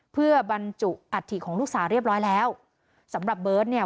เพื่อบรรจุอัฐิของลูกสาวเรียบร้อยแล้วสำหรับเบิร์ตเนี่ย